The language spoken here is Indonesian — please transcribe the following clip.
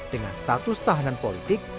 dengan status tahanan politik